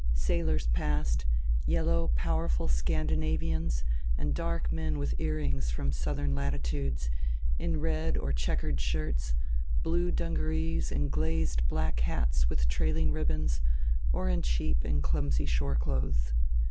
Sailors passed, yellow powerful Scandinavians and dark men with earrings from southern latitudes, in red or checked shirts, blue dungarees and glazed black hats with trailing ribbons, or in cheap and clumsy shore clothes.